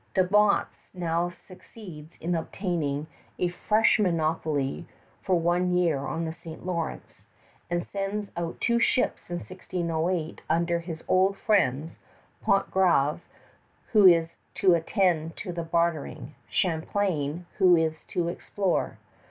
De Monts now succeeds in obtaining a fresh monopoly for one year on the St. Lawrence, and sends out two ships in 1608 under his old friends, Pontgravé, who is to attend to the bartering, Champlain, who is to explore.